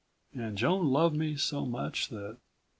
And Joan loved me so much that....